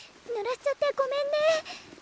ぬらしちゃってごめんね。